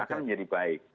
akan menjadi baik